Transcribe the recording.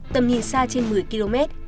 tầm nhìn xa trên một mươi km